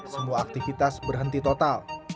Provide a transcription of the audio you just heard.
semua aktivitas berhenti total